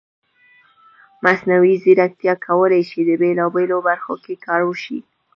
مصنوعي ځیرکتیا کولی شي په بېلابېلو برخو کې کار وشي.